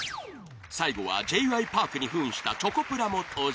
最後はＪ．Ｙ．Ｐａｒｋに扮したチョコプラも登場！